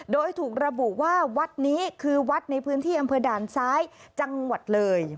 โดยถูกระบุว่าวัดนี้คือวัดในพื้นที่อำเภอด่านซ้ายจังหวัดเลย